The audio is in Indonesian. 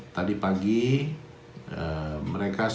tadi pagi mereka menerima